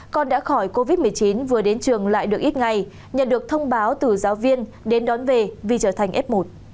con đã khỏi covid một mươi chín vừa đến trường lại được ít ngày nhận được thông báo từ giáo viên đến đón về vì trở thành f một